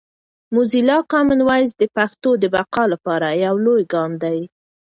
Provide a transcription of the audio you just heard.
موزیلا کامن وایس د پښتو د بقا لپاره یو لوی ګام دی.